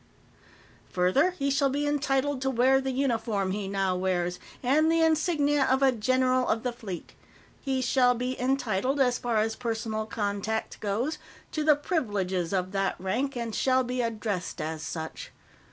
"Further, he shall be entitled to wear the uniform he now wears, and the insignia of a General of the Fleet. He shall be entitled, as far as personal contact goes, to the privileges of that rank, and shall be addressed as such.